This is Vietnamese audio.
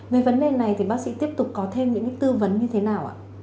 về vấn đề này thì bác sĩ tiếp tục có thêm những tư vấn như thế nào ạ